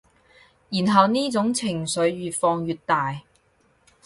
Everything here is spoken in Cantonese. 然後呢種情緒越放越大